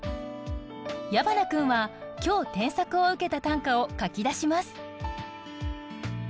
矢花君は今日添削を受けた短歌を書き出します。